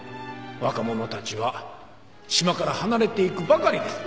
若者たちは島から離れていくばかりです。